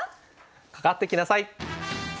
「かかって来なさい！」。